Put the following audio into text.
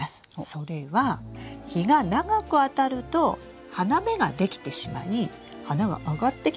それは日が長くあたると花芽ができてしまい花が上がってきてしまう。